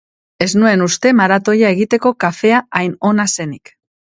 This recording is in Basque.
Ez nuen uste maratoia egiteko kafea hain ona zenik.